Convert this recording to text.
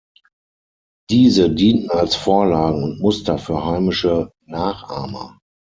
Diese dienten als Vorlagen und Muster für heimische Nachahmer.